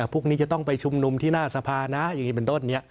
พวกนี้จะต้องไปชุมนุมที่หน้าสภานะอย่างนี้เป็นต้นนี้